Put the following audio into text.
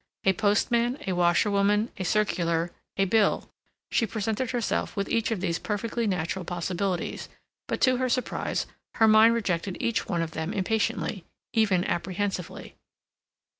A postman, a washerwoman, a circular, a bill—she presented herself with each of these perfectly natural possibilities; but, to her surprise, her mind rejected each one of them impatiently, even apprehensively.